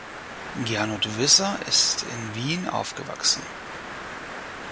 Gernot Wisser ist in Wien aufgewachsen.